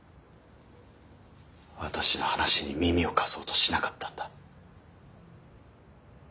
私の話に耳を貸そうとしなかったんだ。